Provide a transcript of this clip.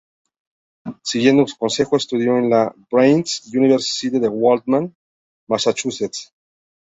Siguiendo su consejo, estudió en la Brandeis University en Waltham, Massachusetts.